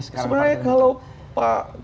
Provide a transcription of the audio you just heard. sebenarnya kalau pak